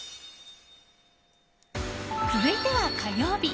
続いては、火曜日。